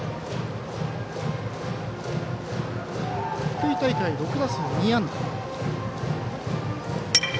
福井大会、６打数２安打。